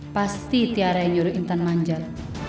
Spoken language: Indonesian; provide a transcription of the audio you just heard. pasti tiara yang nyuruh intan manjat